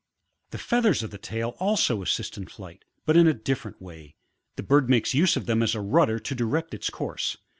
] 19. The feathers of the tail also assist in flight, but in a dif ferent way ; the bird makes use of them as a rudder to direct its course.